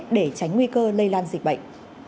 để tránh nguy cơ lây lan dịch bệnh